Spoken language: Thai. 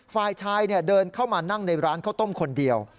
ฝ่ายชายเดินเข้ามานั่งในร้านข้าวต้มคนเดียว